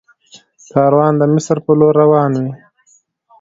کاروان د مصر په لور روان وي.